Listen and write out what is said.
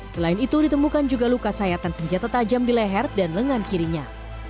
selain itu ditemukan juga luka sayatan senjata tajam di leher dan lengan kirinya